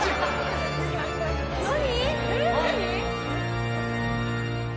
何？